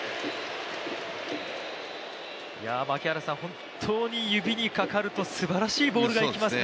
本当に指にかかるとすばらしいボールがきますね。